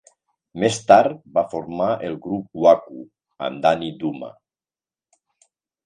Més tard va formar el grup Wha-Koo amb Danny Douma.